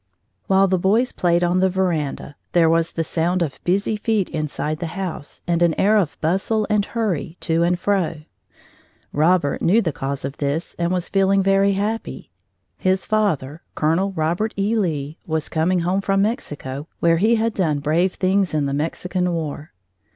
While the boys played on the veranda, there was the sound of busy feet inside the house, and an air of bustle and hurrying to and fro. Robert knew the cause of this and was feeling very happy. His father, Colonel Robert E. Lee, was coming home from Mexico, where he had done brave things in the Mexican War.